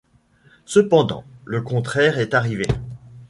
Cependant, le contraire est arrivé.